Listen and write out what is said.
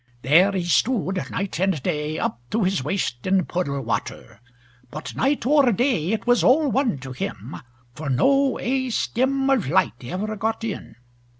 There he stood, night and day, up to his waist in puddle water; but night or day it was all one to him, for no ae styme of light ever got in.